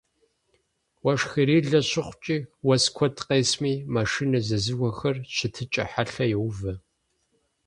Уэшхырилэ щыхъукӀи, уэс куэду къесми, машинэ зезыхуэхэр щытыкӀэ хьэлъэ йоувэ.